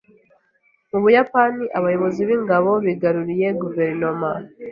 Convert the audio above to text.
Mu Buyapani, abayobozi b'ingabo bigaruriye guverinoma.